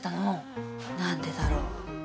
何でだろう？